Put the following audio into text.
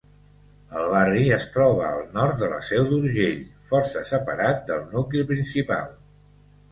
El barri es troba al nord de la Seu d'Urgell, força separat del nucli principal.